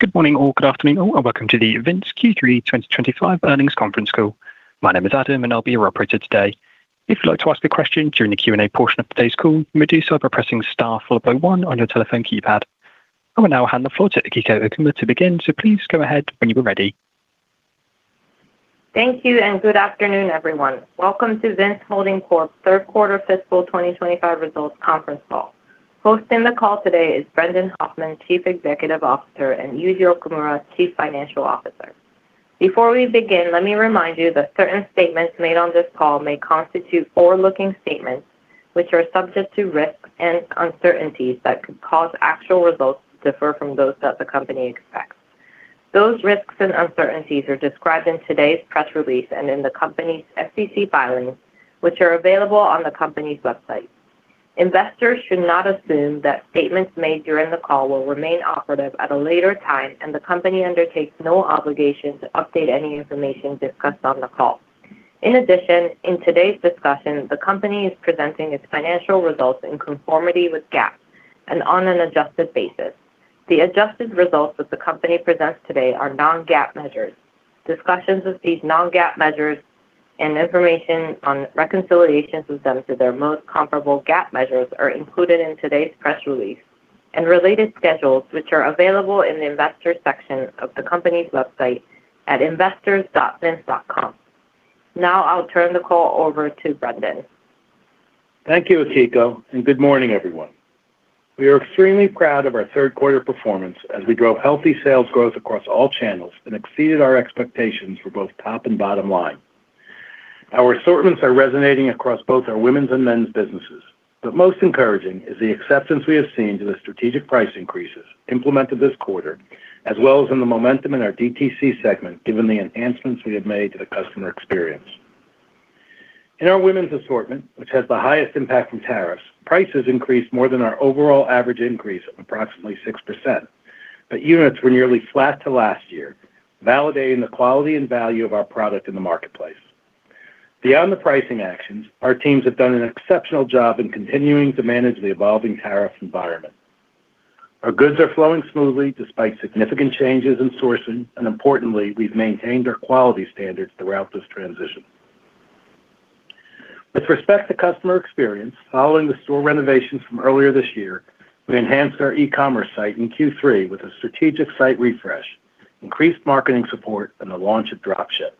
Good morning or good afternoon all, and welcome to the Vince Q3 2025 earnings conference call. My name is Adam, and I'll be your operator today. If you'd like to ask a question during the Q&A portion of today's call, you may do so by pressing STAR followed by 1 on your telephone keypad. I will now hand the floor to Akiko Okuma to begin, so please go ahead when you are ready. Thank you and good afternoon, everyone. Welcome to Vince Holding Corp's third quarter fiscal 2025 results conference call. Hosting the call today is Brendan Hoffman, Chief Executive Officer, and Yuji Okumura, Chief Financial Officer. Before we begin, let me remind you that certain statements made on this call may constitute forward-looking statements, which are subject to risks and uncertainties that could cause actual results to differ from those that the company expects. Those risks and uncertainties are described in today's press release and in the company's SEC filings, which are available on the company's website. Investors should not assume that statements made during the call will remain operative at a later time, and the company undertakes no obligation to update any information discussed on the call. In addition, in today's discussion, the company is presenting its financial results in conformity with GAAP and on an adjusted basis. The adjusted results that the company presents today are non-GAAP measures. Discussions of these non-GAAP measures and information on reconciliations of them to their most comparable GAAP measures are included in today's press release and related schedules, which are available in the investor section of the company's website at investors.vince.com. Now I'll turn the call over to Brendan. Thank you, Akiko, and good morning, everyone. We are extremely proud of our third quarter performance as we drove healthy sales growth across all channels and exceeded our expectations for both top and bottom line. Our assortments are resonating across both our women's and men's businesses, but most encouraging is the acceptance we have seen to the strategic price increases implemented this quarter, as well as in the momentum in our DTC segment given the enhancements we have made to the customer experience. In our women's assortment, which has the highest impact from tariffs, prices increased more than our overall average increase of approximately 6%, but units were nearly flat to last year, validating the quality and value of our product in the marketplace. Beyond the pricing actions, our teams have done an exceptional job in continuing to manage the evolving tariff environment. Our goods are flowing smoothly despite significant changes in sourcing, and importantly, we've maintained our quality standards throughout this transition. With respect to customer experience, following the store renovations from earlier this year, we enhanced our e-commerce site in Q3 with a strategic site refresh, increased marketing support, and the launch of Dropship.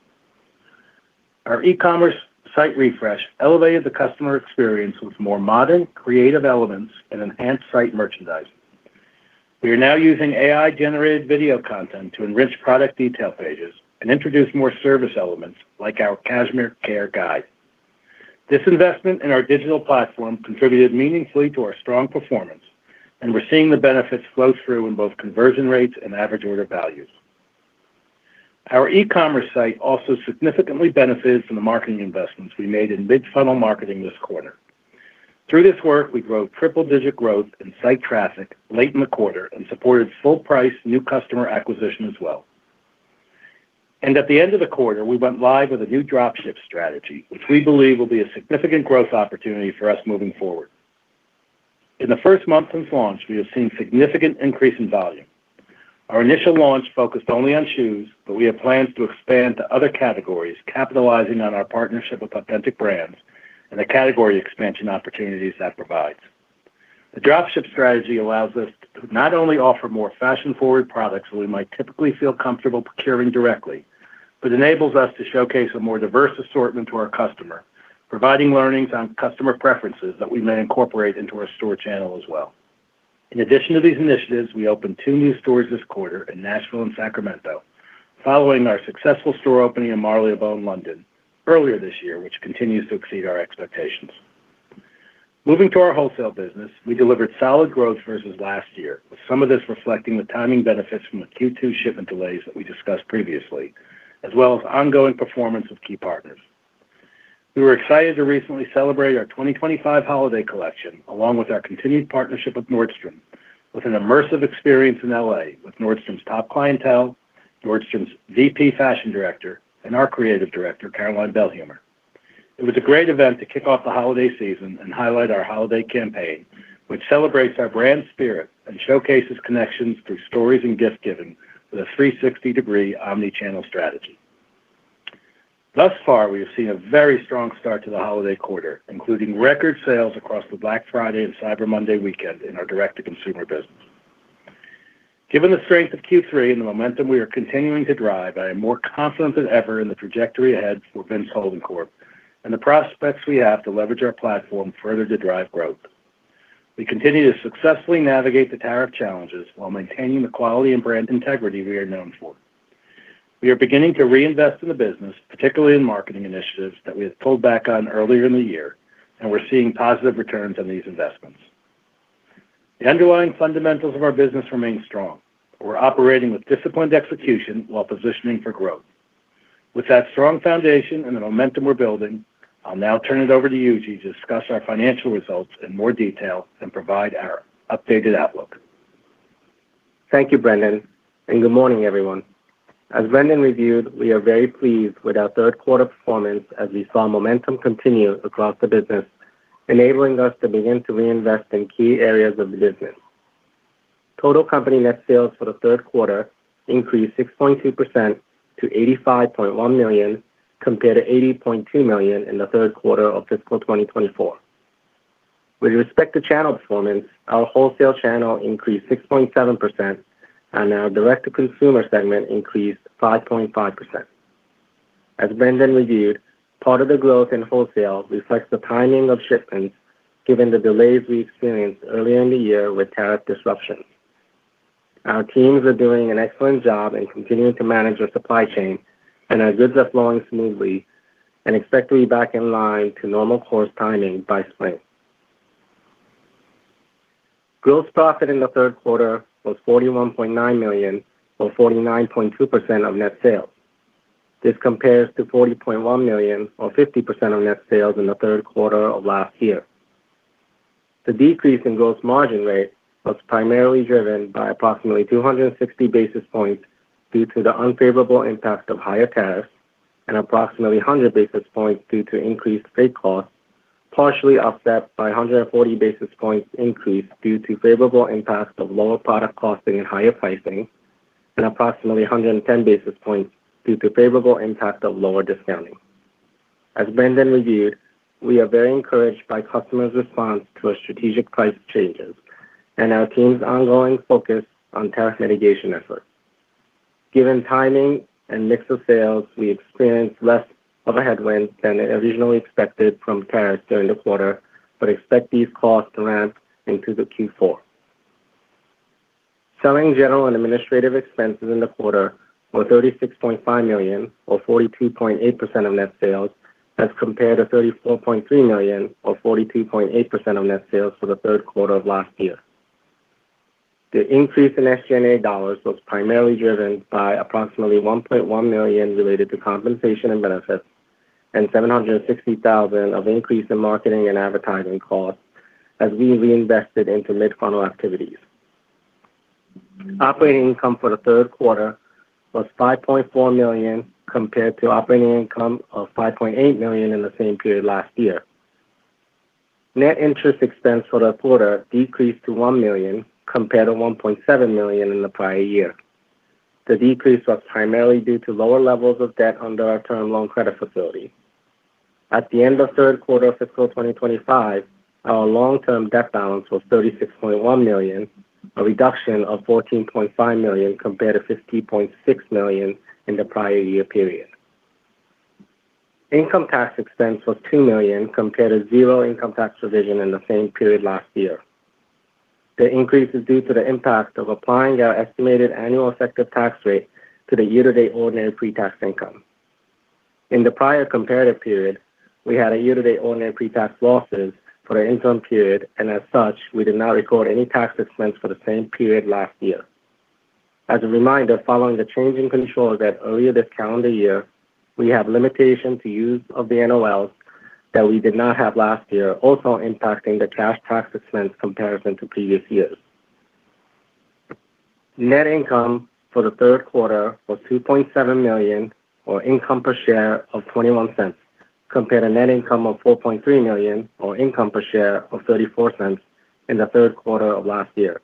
Our e-commerce site refresh elevated the customer experience with more modern, creative elements and enhanced site merchandising. We are now using AI-generated video content to enrich product detail pages and introduce more service elements like our cashmere care guide. This investment in our digital platform contributed meaningfully to our strong performance, and we're seeing the benefits flow through in both conversion rates and average order values. Our e-commerce site also significantly benefited from the marketing investments we made in mid-funnel marketing this quarter. Through this work, we drove triple-digit growth in site traffic late in the quarter and supported full-price new customer acquisition as well, and at the end of the quarter, we went live with a new dropship strategy, which we believe will be a significant growth opportunity for us moving forward. In the first month since launch, we have seen a significant increase in volume. Our initial launch focused only on shoes, but we have plans to expand to other categories, capitalizing on our partnership with Authentic Brands and the category expansion opportunities that provides. The dropship strategy allows us to not only offer more fashion-forward products that we might typically feel comfortable procuring directly, but enables us to showcase a more diverse assortment to our customer, providing learnings on customer preferences that we may incorporate into our store channel as well. In addition to these initiatives, we opened two new stores this quarter in Nashville and Sacramento, following our successful store opening in Marylebone, London, earlier this year, which continues to exceed our expectations. Moving to our wholesale business, we delivered solid growth versus last year, with some of this reflecting the timing benefits from the Q2 shipment delays that we discussed previously, as well as ongoing performance of key partners. We were excited to recently celebrate our 2025 holiday collection, along with our continued partnership with Nordstrom, with an immersive experience in LA with Nordstrom's top clientele, Nordstrom's VP Fashion Director, and our Creative Director, Caroline Belhumeur. It was a great event to kick off the holiday season and highlight our holiday campaign, which celebrates our brand spirit and showcases connections through stories and gift-giving with a 360-degree omnichannel strategy. Thus far, we have seen a very strong start to the holiday quarter, including record sales across the Black Friday and Cyber Monday weekend in our direct-to-consumer business. Given the strength of Q3 and the momentum we are continuing to drive, I am more confident than ever in the trajectory ahead for Vince Holding Corp and the prospects we have to leverage our platform further to drive growth. We continue to successfully navigate the tariff challenges while maintaining the quality and brand integrity we are known for. We are beginning to reinvest in the business, particularly in marketing initiatives that we had pulled back on earlier in the year, and we're seeing positive returns on these investments. The underlying fundamentals of our business remain strong, but we're operating with disciplined execution while positioning for growth. With that strong foundation and the momentum we're building, I'll now turn it over to Yuji to discuss our financial results in more detail and provide our updated outlook. Thank you, Brendan, and good morning, everyone. As Brendan reviewed, we are very pleased with our third quarter performance as we saw momentum continue across the business, enabling us to begin to reinvest in key areas of the business. Total company net sales for the third quarter increased 6.2% to $85.1 million compared to $80.2 million in the third quarter of fiscal 2024. With respect to channel performance, our wholesale channel increased 6.7%, and our direct-to-consumer segment increased 5.5%. As Brendan reviewed, part of the growth in wholesale reflects the timing of shipments given the delays we experienced earlier in the year with tariff disruptions. Our teams are doing an excellent job in continuing to manage our supply chain, and our goods are flowing smoothly and expect to be back in line to normal course timing by spring. Gross profit in the third quarter was $41.9 million, or 49.2% of net sales. This compares to $40.1 million, or 50% of net sales in the third quarter of last year. The decrease in gross margin rate was primarily driven by approximately 260 basis points due to the unfavorable impact of higher tariffs and approximately 100 basis points due to increased freight costs, partially offset by 140 basis points increase due to favorable impact of lower product costing and higher pricing, and approximately 110 basis points due to favorable impact of lower discounting. As Brendan reviewed, we are very encouraged by customers' response to our strategic price changes and our team's ongoing focus on tariff mitigation efforts. Given timing and mix of sales, we experienced less of a headwind than originally expected from tariffs during the quarter, but expect these costs to ramp into Q4. Selling, general, and administrative expenses in the quarter were $36.5 million, or 42.8% of net sales, as compared to $34.3 million, or 42.8% of net sales for the third quarter of last year. The increase in SG&A dollars was primarily driven by approximately $1.1 million related to compensation and benefits and $760,000 of increase in marketing and advertising costs as we reinvested into mid-funnel activities. Operating income for the third quarter was $5.4 million compared to operating income of $5.8 million in the same period last year. Net interest expense for the quarter decreased to $1 million compared to $1.7 million in the prior year. The decrease was primarily due to lower levels of debt under our term loan credit facility. At the end of third quarter fiscal 2025, our long-term debt balance was $36.1 million, a reduction of $14.5 million compared to $50.6 million in the prior year period. Income tax expense was $2 million compared to zero income tax provision in the same period last year. The increase is due to the impact of applying our estimated annual effective tax rate to the year-to-date ordinary pre-tax income. In the prior comparative period, we had a year-to-date ordinary pre-tax losses for an interim period, and as such, we did not record any tax expense for the same period last year. As a reminder, following the change of control earlier this calendar year, we have limitations to use of the NOLs that we did not have last year, also impacting the cash tax expense comparison to previous years. Net income for the third quarter was $2.7 million, or income per share of $0.21, compared to net income of $4.3 million, or income per share of $0.34 in the third quarter of last year.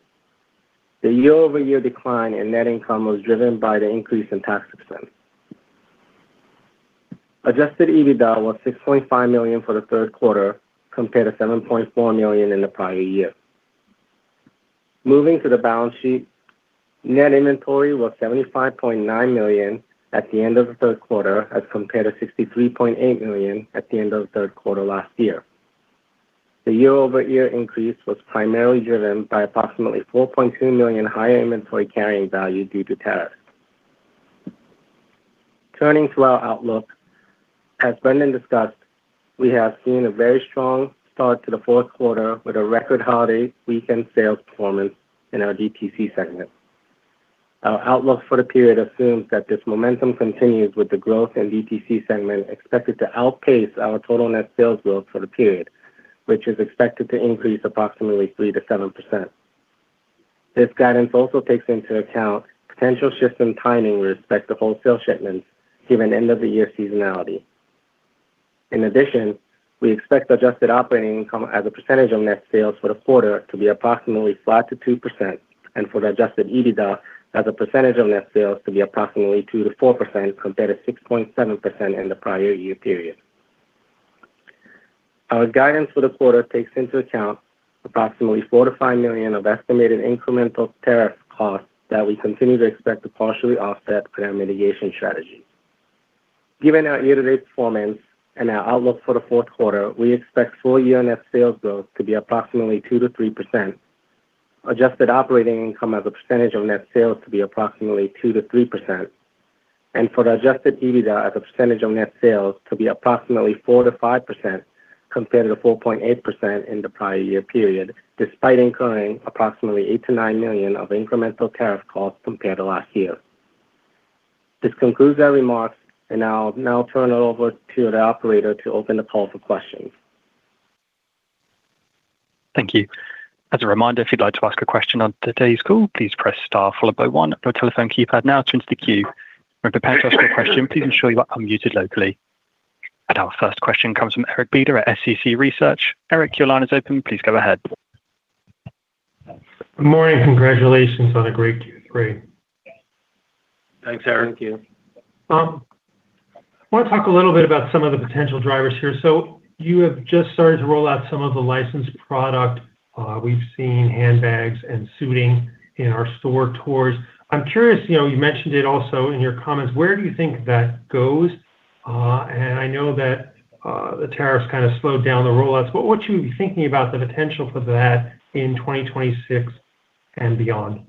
The year-over-year decline in net income was driven by the increase in tax expense. Adjusted EBITDA was $6.5 million for the third quarter compared to $7.4 million in the prior year. Moving to the balance sheet, net inventory was $75.9 million at the end of the third quarter as compared to $63.8 million at the end of the third quarter last year. The year-over-year increase was primarily driven by approximately $4.2 million higher inventory carrying value due to tariffs. Turning to our outlook, as Brendan discussed, we have seen a very strong start to the fourth quarter with a record holiday weekend sales performance in our DTC segment. Our outlook for the period assumes that this momentum continues with the growth in DTC segment expected to outpace our total net sales growth for the period, which is expected to increase approximately 3%-7%. This guidance also takes into account potential shifts in timing with respect to wholesale shipments given end-of-the-year seasonality. In addition, we expect adjusted operating income as a percentage of net sales for the quarter to be approximately flat to 2%, and for the Adjusted EBITDA as a percentage of net sales to be approximately 2% to 4% compared to 6.7% in the prior year period. Our guidance for the quarter takes into account approximately $4 million to $5 million of estimated incremental tariff costs that we continue to expect to partially offset with our mitigation strategies. Given our year-to-date performance and our outlook for the fourth quarter, we expect full year net sales growth to be approximately 2%-3%, adjusted operating income as a percentage of net sales to be approximately 2%-3%, and for the adjusted EBITDA as a percentage of net sales to be approximately 4%-5% compared to 4.8% in the prior year period, despite incurring approximately $8 million-$9 million of incremental tariff costs compared to last year. This concludes our remarks, and I'll now turn it over to the operator to open the call for questions. Thank you. As a reminder, if you'd like to ask a question on today's call, please press star followed by one at the telephone keypad now to enter the queue. When prepared to ask a question, please ensure you are unmuted locally. And our first question comes from Eric Beder at SCC Research. Eric, your line is open. Please go ahead. Good morning. Congratulations on a great Q3. Thanks, Aaron. Thank you. I want to talk a little bit about some of the potential drivers here. So you have just started to roll out some of the licensed product. We've seen handbags and suiting in our store tours. I'm curious, you mentioned it also in your comments. Where do you think that goes? And I know that the tariffs kind of slowed down the rollouts. What would you be thinking about the potential for that in 2026 and beyond?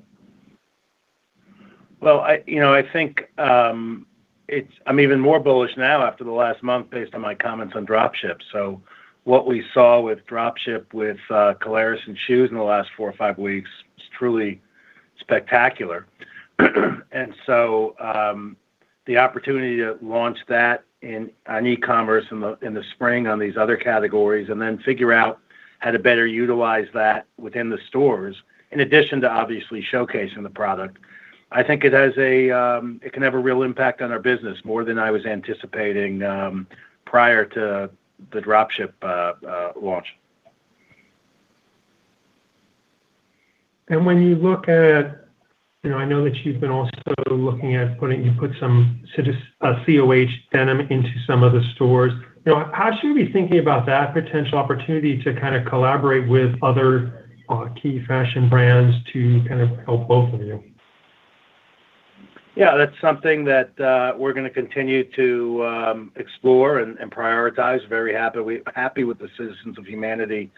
I think I'm even more bullish now after the last month based on my comments on dropship. What we saw with dropship with Caleres and shoes in the last four or five weeks is truly spectacular. The opportunity to launch that in e-commerce in the spring on these other categories and then figure out how to better utilize that within the stores, in addition to obviously showcasing the product, I think it can have a real impact on our business more than I was anticipating prior to the dropship launch. When you look at, I know that you've been also looking at putting some COH denim into some of the stores. How should we be thinking about that potential opportunity to kind of collaborate with other key fashion brands to kind of help both of you? Yeah, that's something that we're going to continue to explore and prioritize. Very happy with the Citizens of Humanity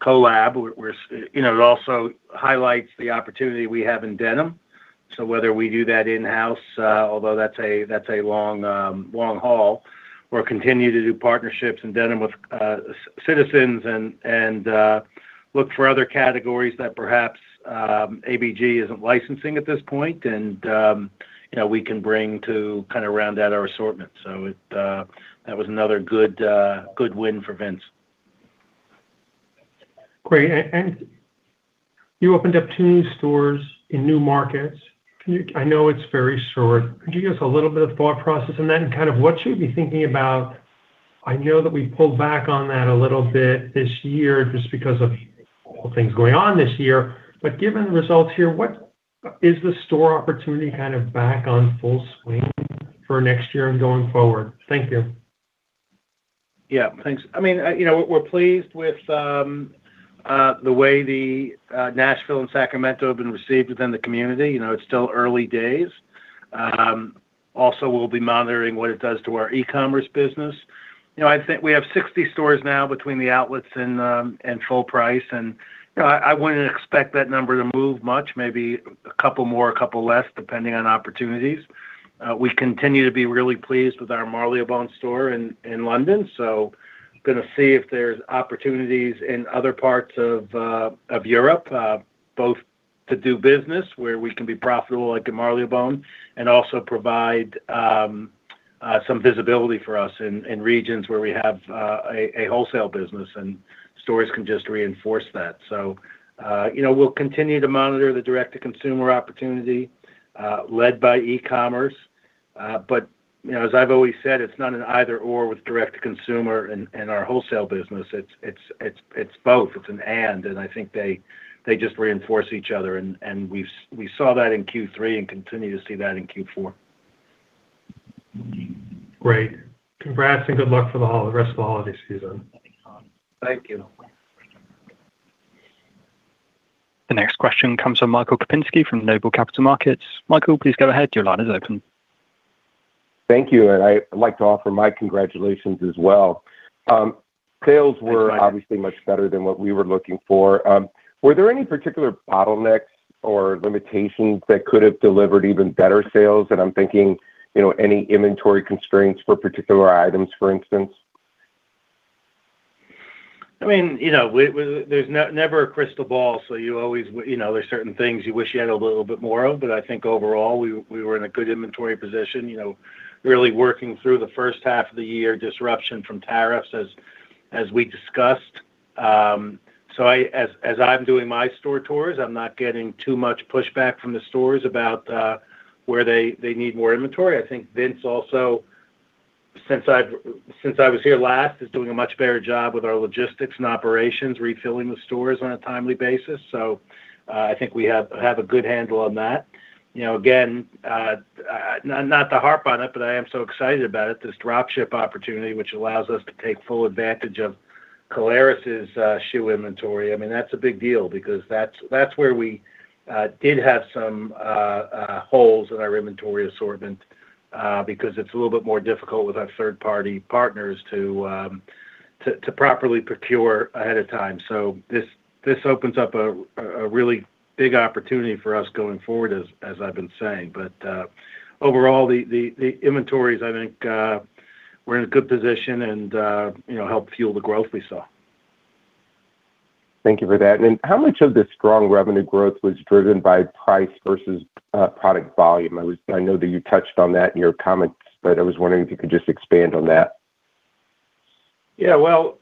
collab. It also highlights the opportunity we have in denim. So whether we do that in-house, although that's a long haul, we'll continue to do partnerships in denim with Citizens and look for other categories that perhaps ABG isn't licensing at this point, and we can bring to kind of round out our assortment. So that was another good win for Vince. Great. And you opened up two new stores in new markets. I know it's very short. Could you give us a little bit of thought process on that and kind of what should we be thinking about? I know that we pulled back on that a little bit this year just because of all things going on this year. But given the results here, what is the store opportunity kind of back on full swing for next year and going forward? Thank you. Yeah, thanks. I mean, we're pleased with the way the Nashville and Sacramento have been received within the community. It's still early days. Also, we'll be monitoring what it does to our e-commerce business. I think we have 60 stores now between the outlets and full price, and I wouldn't expect that number to move much, maybe a couple more, a couple less, depending on opportunities. We continue to be really pleased with our Marylebone store in London, so going to see if there's opportunities in other parts of Europe, both to do business where we can be profitable like at Marylebone and also provide some visibility for us in regions where we have a wholesale business, and stores can just reinforce that, so we'll continue to monitor the direct-to-consumer opportunity led by e-commerce, but as I've always said, it's not an either/or with direct-to-consumer and our wholesale business. It's both. It's an and. And I think they just reinforce each other. And we saw that in Q3 and continue to see that in Q4. Great. Congrats and good luck for the rest of the holiday season. Thank you. The next question comes from Michael Kapinski from Noble Capital Markets. Michael, please go ahead. Your line is open. Thank you. And I'd like to offer my congratulations as well. Sales were obviously much better than what we were looking for. Were there any particular bottlenecks or limitations that could have delivered even better sales? And I'm thinking any inventory constraints for particular items, for instance. I mean, there's never a crystal ball, so there's certain things you wish you had a little bit more of. But I think overall, we were in a good inventory position, really working through the first half of the year disruption from tariffs as we discussed. So as I'm doing my store tours, I'm not getting too much pushback from the stores about where they need more inventory. I think Vince, also since I was here last, is doing a much better job with our logistics and operations, refilling the stores on a timely basis. So I think we have a good handle on that. Again, not to harp on it, but I am so excited about it, this dropship opportunity, which allows us to take full advantage of Caleres's shoe inventory. I mean, that's a big deal because that's where we did have some holes in our inventory assortment because it's a little bit more difficult with our third-party partners to properly procure ahead of time, so this opens up a really big opportunity for us going forward, as I've been saying, but overall, the inventories, I think we're in a good position and help fuel the growth we saw. Thank you for that. And how much of the strong revenue growth was driven by price versus product volume? I know that you touched on that in your comments, but I was wondering if you could just expand on that. Yeah. Well,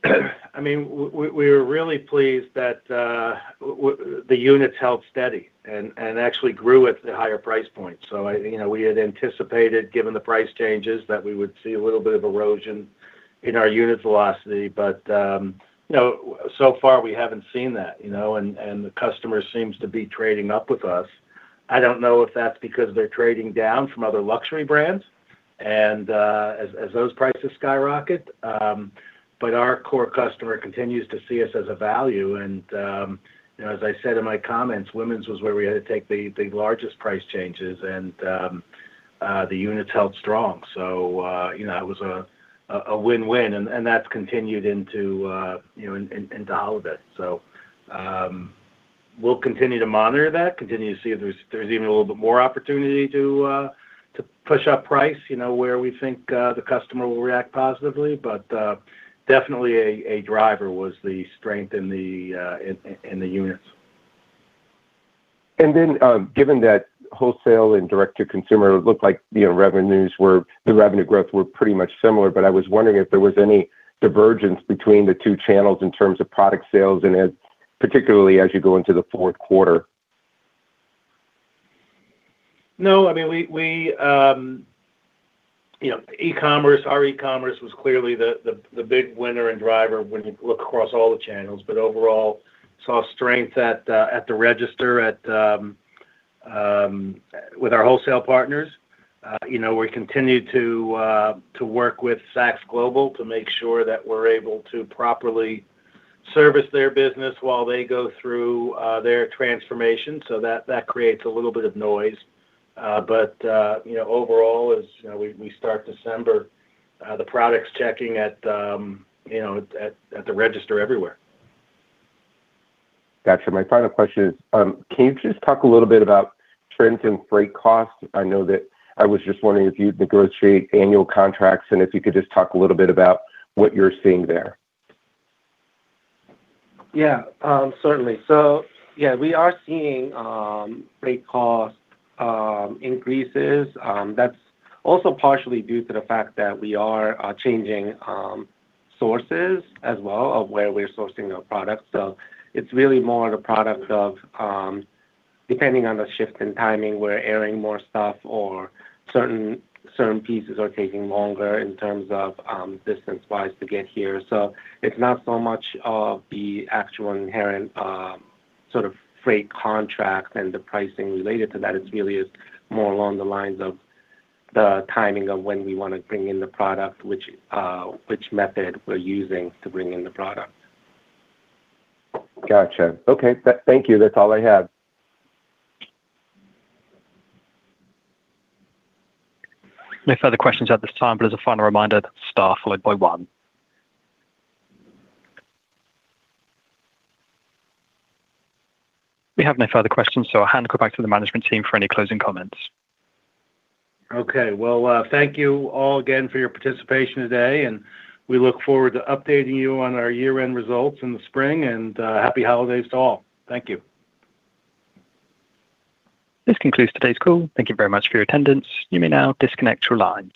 I mean, we were really pleased that the units held steady and actually grew at the higher price points. So we had anticipated, given the price changes, that we would see a little bit of erosion in our unit velocity. But so far, we haven't seen that. And the customer seems to be trading up with us. I don't know if that's because they're trading down from other luxury brands and as those prices skyrocket. But our core customer continues to see us as a value. And as I said in my comments, Women's was where we had to take the largest price changes, and the units held strong. So it was a win-win. And that's continued into all of it. So we'll continue to monitor that, continue to see if there's even a little bit more opportunity to push up price where we think the customer will react positively. But definitely a driver was the strength in the units. Then, given that wholesale and direct-to-consumer looked like the revenue growth were pretty much similar, but I was wondering if there was any divergence between the two channels in terms of product sales, particularly as you go into the fourth quarter. No. I mean, our e-commerce was clearly the big winner and driver when you look across all the channels. But overall, saw strength at the register with our wholesale partners. We continue to work with Saks Global to make sure that we're able to properly service their business while they go through their transformation. So that creates a little bit of noise. But overall, as we start December, the product's checking at the register everywhere. Gotcha. My final question is, can you just talk a little bit about trends in freight costs? I know that I was just wondering if you'd negotiate annual contracts and if you could just talk a little bit about what you're seeing there. Yeah, certainly. So yeah, we are seeing freight cost increases. That's also partially due to the fact that we are changing sources as well of where we're sourcing our products. So it's really more of the product of depending on the shift in timing. We're airing more stuff or certain pieces are taking longer in terms of distance-wise to get here. So it's not so much of the actual inherent sort of freight contract and the pricing related to that. It's really more along the lines of the timing of when we want to bring in the product, which method we're using to bring in the product. Gotcha. Okay. Thank you. That's all I have. No further questions at this time, but as a final reminder, star followed by one. We have no further questions, so I'll hand it back to the management team for any closing comments. Thank you all again for your participation today. We look forward to updating you on our year-end results in the spring. Happy holidays to all. Thank you. This concludes today's call. Thank you very much for your attendance. You may now disconnect your lines.